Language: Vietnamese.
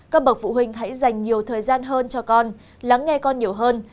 các bậc phụ huynh hãy dành nhiều thời gian hơn cho con lắng nghe con nhiều hơn